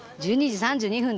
１２時３６分。